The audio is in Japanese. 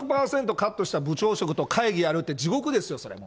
カットした部長職と会議やるって地獄ですよ、それ。